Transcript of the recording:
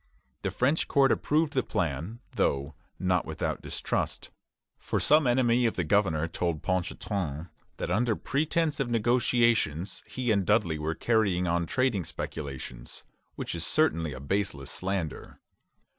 The French court approved the plan, though not without distrust; for some enemy of the governor told Ponchartrain that under pretence of negotiations he and Dudley were carrying on trading speculations, which is certainly a baseless slander.